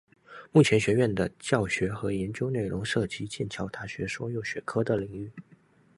目前学院的教学和研究内容涉及剑桥大学所有学科的领域。